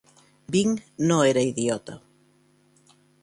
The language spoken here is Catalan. Bing no era idiota.